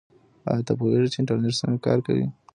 آیا ته پوهېږې چې انټرنیټ څنګه کار کوي؟